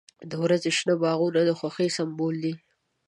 • د ورځې شنه باغونه د خوښۍ سمبول دی.